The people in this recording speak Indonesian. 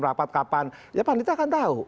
berapa kapan ya panitera kan tahu